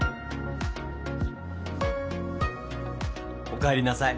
おかえりなさい。